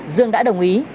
dương đã đồng ý